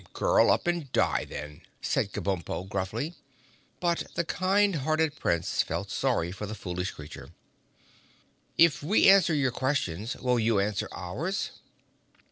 "Curl up and die, then," said Kabumpo gruffly. But the kind hearted Prince felt sorry for the foolish creature. "If we answer your questions, will you answer ours?"